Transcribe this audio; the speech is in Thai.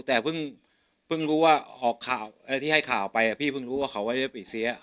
แต่พึ่งรู้ว่าที่ให้ข่าวไปพี่พึ่งรู้ว่าเขาไว้ในปีเซีย